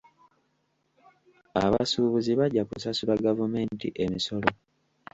Abasuubuzi bajja kusasula gavumenti emisolo.